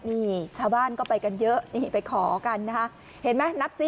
ทุกคนบ้านก็ไปกันเยอะไปขอกันนะคะเห็นไหมนับสิ